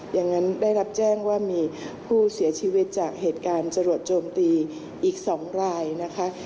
อย่างนั้นได้รับแจ้งว่ามีผู้เสียชีวิตจากเหตุการณ์จรวดโจมตีอีก๒รายนะคะ